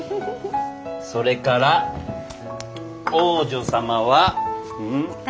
それから王女様は。